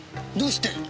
どうして！？